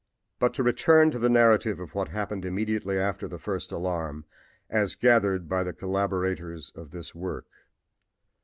But to return to the narrative of what happened immediately after the first alarm, as gathered by the collaborators of this work.